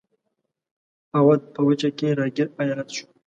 اَوَد په وچه کې را ګیر ایالت شو.